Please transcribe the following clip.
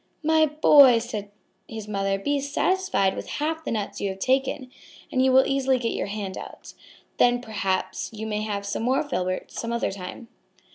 "My boy," said his mother, "be satisfied with half the nuts you have taken and you will easily get your hand out. Then perhaps you may have some more filberts some other time."